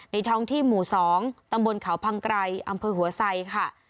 ท้องที่หมู่๒ตำบลเขาพังไกรอำเภอหัวไซค่ะ